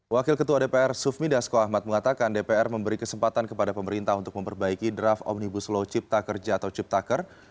wakil ketua dpr sufmi dasko ahmad mengatakan dpr memberi kesempatan kepada pemerintah untuk memperbaiki draft omnibus law cipta kerja atau ciptaker